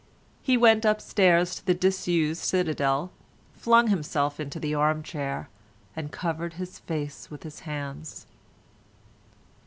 He went upstairs to the disused citadel, flung himself into the arm chair, and covered his face with his hands.